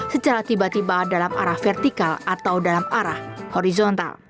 secara tiba tiba dalam arah vertikal atau dalam arah horizontal